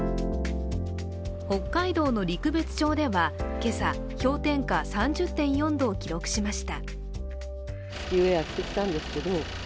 北海道の陸別町では今朝氷点下３０．４度を記録しました。